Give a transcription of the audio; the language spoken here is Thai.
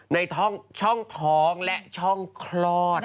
ในช่องท้องและช่องคลอด